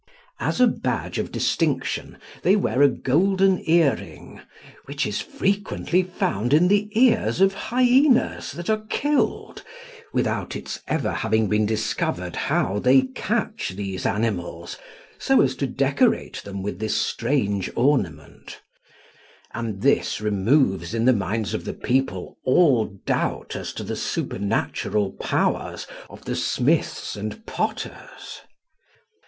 As a badge of distinction they wear a golden ear ring, which is frequently found in the ears of Hyaenas that are killed, without its having ever been discovered how they catch these animals, so as to decorate them with this strange ornament, and this removes in the minds of the people all doubt as to the supernatural powers of the smiths and potters.